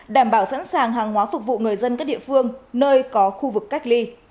đảm bảo sẵn sàng hàng hóa phục vụ người dân các địa phương nơi có khu vực cách ly